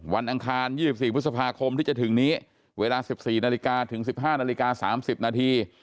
อังคาร๒๔พฤษภาคมที่จะถึงนี้เวลา๑๔นาฬิกาถึง๑๕นาฬิกา๓๐นาที